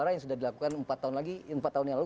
yang sudah dilakukan empat tahun yang lalu